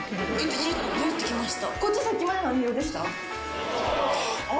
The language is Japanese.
ブッてきました。